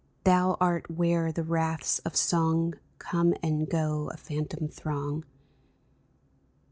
Thou art where the wraiths of song Come and go, a phantom throng.